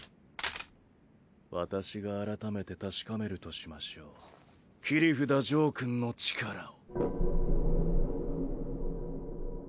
私が改めて確かめるとしましょう切札ジョーくんの力を。